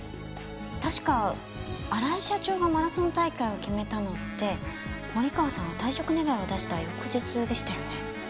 確か荒井社長がマラソン大会を決めたのって森川さんが退職願を出した翌日でしたよね？